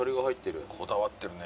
こだわってるね。